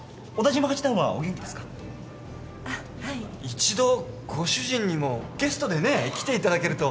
一度ご主人にもゲストでね来ていただけると。